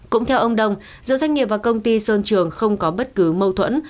cũng theo ông đông giữa doanh nghiệp và công ty sơn trường không có bất cứ mâu thuẫn